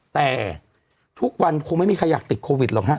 แต่ทุกวันคงไม่มีใครอยากติดโควิดหรอกฮะ